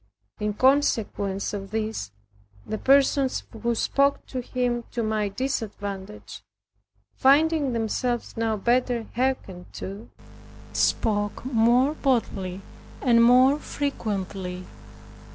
In consequence of this, the persons who spoke to him to my disadvantage, finding themselves now better hearkened to, spoke more boldly and more frequently.